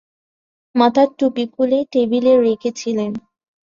মাথার টুপি খুলে টেবিলে রেখেছিলেন।